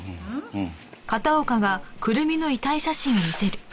うん。